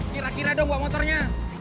kira kira dong bawa motornya